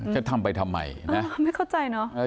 จะทำไปทำไมนะไม่เข้าใจเนอะ